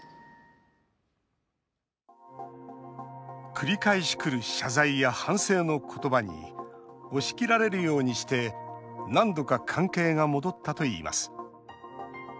繰り返しくる謝罪や反省の言葉に押し切られるようにして何度か関係が戻ったといいます。